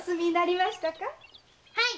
はい！